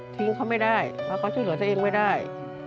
ทิ้งเขาไม่ได้เพราะเขาช่วยเหลือตัวเองไม่ได้